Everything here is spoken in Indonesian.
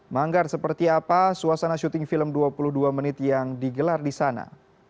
manggar seperti apa suasana syuting film dua puluh dua menit yang digelar di sana